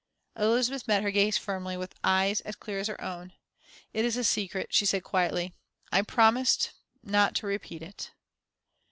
Elizabeth met her gaze firmly, with eyes as clear as her own. "It is a secret," she said, quietly. "I promised not to repeat it."